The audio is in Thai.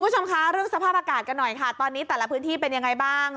คุณผู้ชมคะเรื่องสภาพอากาศกันหน่อยค่ะตอนนี้แต่ละพื้นที่เป็นยังไงบ้าง